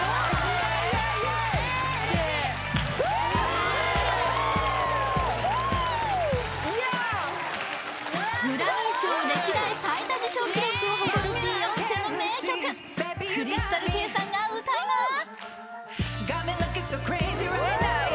イエイイエイイエイグラミー賞歴代最多受賞記録を誇るビヨンセの名曲ＣｒｙｓｔａｌＫａｙさんが歌います